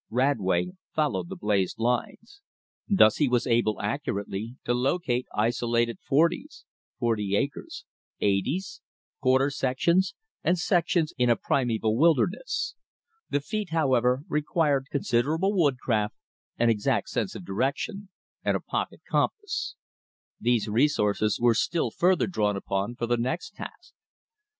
Radway followed the blazed lines. Thus he was able accurately to locate isolated "forties" (forty acres), "eighties," quarter sections, and sections in a primeval wilderness. The feat, however, required considerable woodcraft, an exact sense of direction, and a pocket compass. These resources were still further drawn upon for the next task.